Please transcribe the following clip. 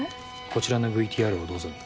こちらのＶＴＲをどうぞに。